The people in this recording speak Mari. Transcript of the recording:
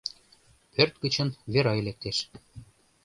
Пӧрт гычын Верай лектеш.